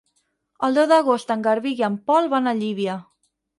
El deu d'agost en Garbí i en Pol van a Llívia.